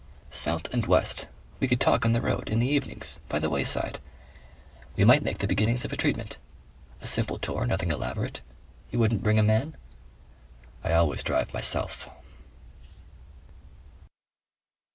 "South and west. We could talk on the road. In the evenings. By the wayside. We might make the beginnings of a treatment. ... A simple tour. Nothing elaborate. You wouldn't bring a man?" "I always drive myself."